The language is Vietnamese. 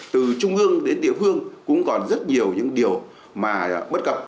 từ trung ương đến địa phương cũng còn rất nhiều những điều mà bất cập